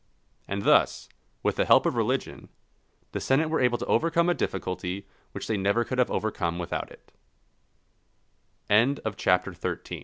And thus, with the help of religion, the senate were able to overcome a difficulty which they never could have overcome without it. CHAPTER XIV.